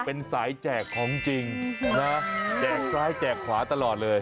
เป็นสายแจกของจริงนะแจกซ้ายแจกขวาตลอดเลย